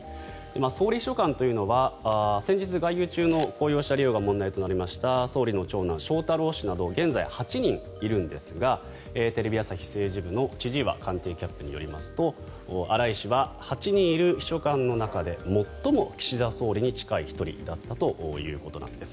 総理秘書官というのは先日、外遊中の公用車利用が問題となりました総理の長男・翔太郎氏など現在８人いるんですがテレビ朝日政治部の千々岩官邸キャップによりますと荒井氏は８人いる秘書官の中で最も岸田総理に近い１人だったということなんです。